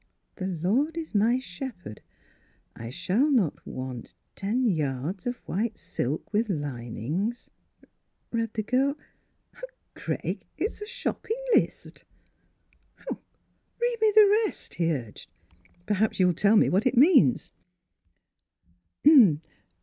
"' The Lord is my Shepherd, I shall not want ten vards of white silk, with lin ings,' " read the girl. " Why, Greg, it's a shopping list." " Read the rest," he urged ;" perhaps you'll tell me what it means."